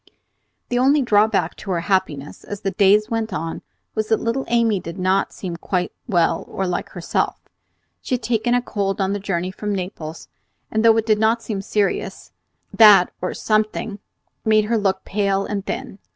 The only drawback to her happiness, as the days went on, was that little Amy did not seem quite well or like herself. She had taken a cold on the journey from Naples, and though it did not seem serious, that, or something, made her look pale and thin.